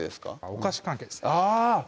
お菓子関係ですねあぁ！